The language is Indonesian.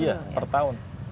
iya per tahun